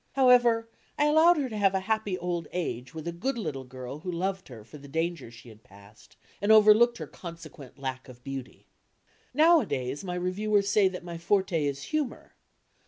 However, I allowed her to have a happy old age with a good little girl who loved her for the dangers she had passed and overlooked her consequent lack of beauty. Nowadays, my reviewers say that my forte is humour.